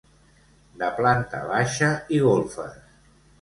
De planta baixa i golfes.